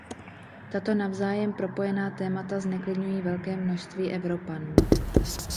Tato navzájem propojená témata zneklidňují velké množství Evropanů.